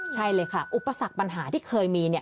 ใช่เลยค่ะอุปสรรคปัญหาที่เคยมีเนี่ย